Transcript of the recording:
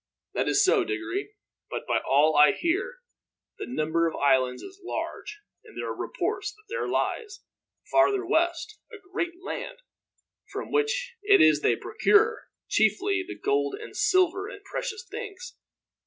"That is so, Diggory; but by all I hear the number of islands is large, and there are reports that there lies, farther west, a great land from which it is they procure, chiefly, the gold and silver and precious things.